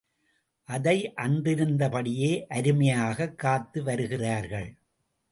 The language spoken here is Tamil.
அதை அன்றிருந்தபடியே அருமையாகக் காத்து வருகிறார்கள்.